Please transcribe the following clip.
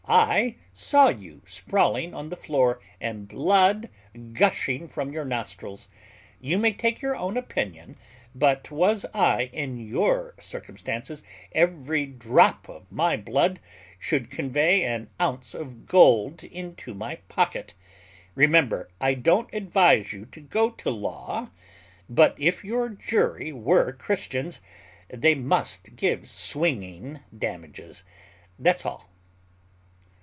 I saw you sprawling on the floor, and blood gushing from your nostrils. You may take your own opinion; but was I in your circumstances, every drop of my blood should convey an ounce of gold into my pocket: remember I don't advise you to go to law; but if your jury were Christians, they must give swinging damages. That's all."